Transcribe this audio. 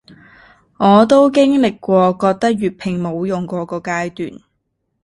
我都經歷過覺得粵拼冇用箇個階段